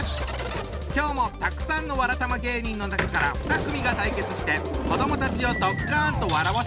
今日もたくさんのわらたま芸人の中から２組が対決して子どもたちをドッカンと笑わせちゃうぞ！